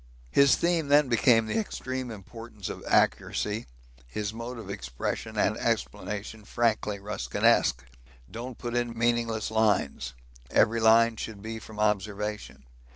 His theme then became the extreme importance of accuracy, his mode of expression and explanation frankly Ruskinesque. Don't put in meaningless lines every line should be from observation.